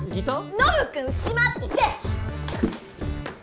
ノブ君しまって！！